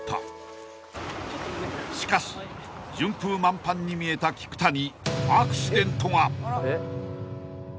［しかし順風満帆に見えた菊田に］